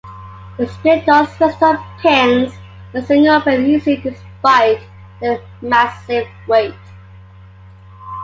The split doors rest on pins and swing open easily despite their massive weight.